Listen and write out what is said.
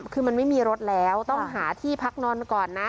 คือมันไม่มีรถแล้วต้องหาที่พักนอนก่อนนะ